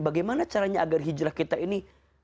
bagaimana caranya agar hijrah kita ini